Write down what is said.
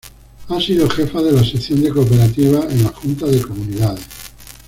Ha sido jefa de la sección de cooperativas en la Junta de Comunidades.